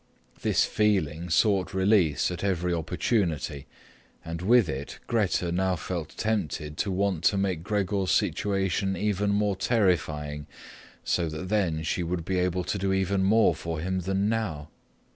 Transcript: This feeling sought release at every opportunity, and with it Grete now felt tempted to want to make Gregor's situation even more terrifying, so that then she would be able to do even more for him than now.